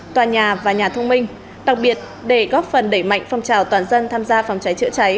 tòa nhà và nhà thông minh đặc biệt để góp phần đẩy mạnh phong trào toàn dân tham gia phòng cháy chữa cháy